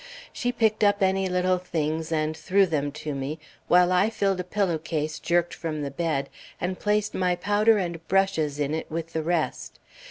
She picked up any little things and threw them to me, while I filled a pillow case jerked from the bed, and placed my powder and brushes in it with the rest.